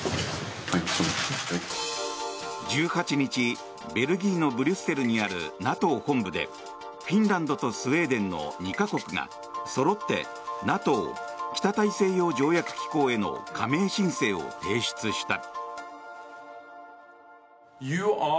１８日ベルギーのブリュッセルにあるＮＡＴＯ本部でフィンランドとスウェーデンの２か国が、そろってＮＡＴＯ・北大西洋条約機構への加盟申請を提出した。